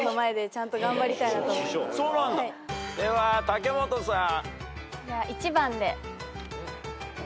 では武元さん。